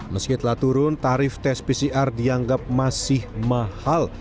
meskipun aturan tarif tes pcr dianggap masih mahal